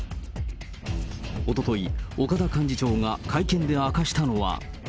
おととい、岡田幹事長が会見で明かしたのは。